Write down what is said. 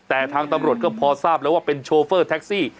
แต่ทางตรก็พอทราบเลยว่าเป็นโชฟ่อแท็กซี่